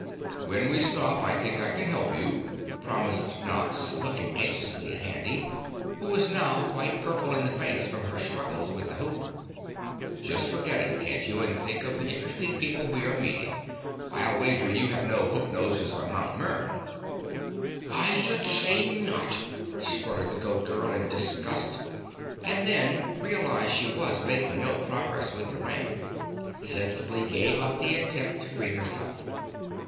"When we stop I think I can help you," promised Nox, looking anxiously at Handy, who was now quite purple in the face from her struggles with the hoop. "Just forget it, can't you, and think of the interesting people we are meeting. I'll wager you have no hook noses on Mt. Mern!" "I should say NOT!" sputtered the Goat Girl in disgust, and then realizing she was making no progress with the ring, sensibly gave up the attempt to free herself.